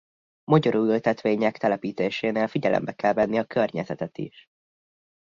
Mogyoró ültetvények telepítésénél figyelembe kell venni a környezetet is.